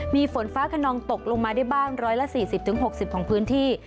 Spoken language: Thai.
มีฝนฟ้าขนองตกลงมาได้บ้าง๑๔๐๖๐ของพื้นที่